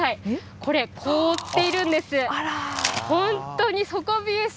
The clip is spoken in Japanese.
これ、凍っているんです。